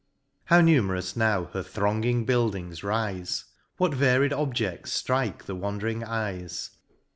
How numerous now her thronginof buildings rife ? what varied objedls ftrike the wandering eyes